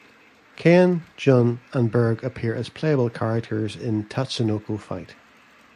Ken, Jun and Berg appear as playable characters in "Tatsunoko Fight".